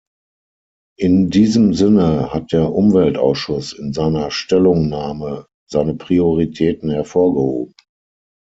In diesem Sinne hat der Umweltausschuss in seiner Stellungnahme seine Prioritäten hervorgehoben.